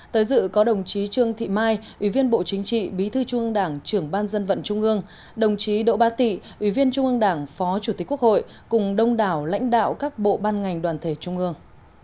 tới dự có đồng chí trương thị mai ủy viên bộ chính trị bí thư trung ương đảng trưởng ban dân vận trung ương đồng chí đỗ ba tị ủy viên trung ương đảng phó chủ tịch quốc hội cùng đông đảo lãnh đạo các bộ ban ngành đoàn thể trung ương